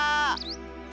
って